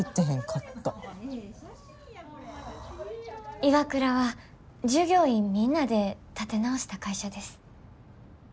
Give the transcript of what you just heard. ＩＷＡＫＵＲＡは従業員みんなで立て直した会社です。